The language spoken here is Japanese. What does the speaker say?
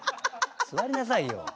座りなさいよ。